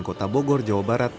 kota bogor jawa barat